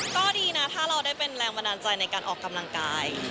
ก็ดีนะถ้าเราได้เป็นแรงบันดาลใจในการออกกำลังกาย